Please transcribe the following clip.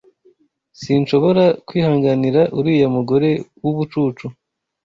Sinshobora kwihanganira uriya mugore wubucucu.